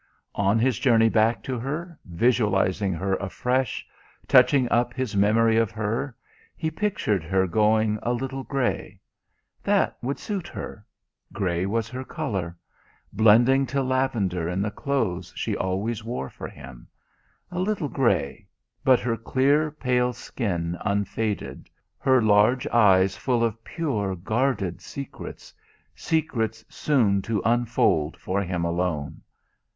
On his journey back to her, visualising her afresh, touching up his memory of her, he pictured her going a little grey. That would suit her grey was her colour blending to lavender in the clothes she always wore for him. A little grey, but her clear, pale skin unfaded, her large eyes full of pure, guarded secrets secrets soon to unfold for him alone.